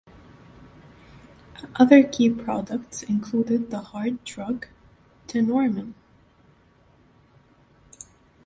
Other key products included the heart drug Tenormin.